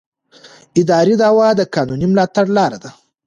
اداري دعوه د قانوني ملاتړ لاره ده.